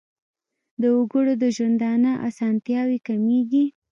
د وګړو د ژوندانه اسانتیاوې کمیږي.